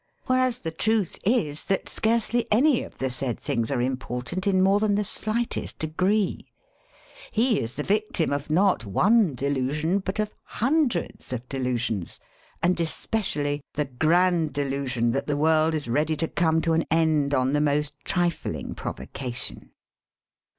.Whereas the truth is, that scarcely any of the said things are important in more than the slightest degi ee. THE COMPLETE FUSSER 75 He is the victim of not one delusion but of hun dreds of delusions, and especially the grand de lusion that the world is ready to come to an end on the most trifling provocation.